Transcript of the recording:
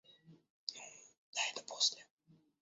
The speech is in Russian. Ну, да это после.